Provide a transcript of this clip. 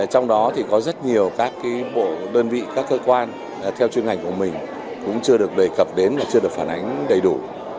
trong đó thì có rất nhiều các bộ đơn vị các cơ quan theo chuyên ngành của mình cũng chưa được đề cập đến và chưa được phản ánh đầy đủ